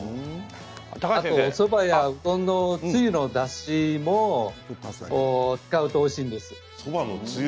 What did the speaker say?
あと、おそばやうどんのつゆのだしにも使うとおいしいんです。